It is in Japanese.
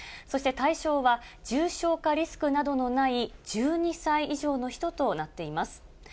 そして対象は、重症化リスクなどのない１２歳以上の人となっています。